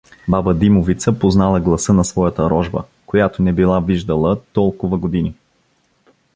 Баба Димовица познала гласа на своята рожба, която не била виждала толкова години.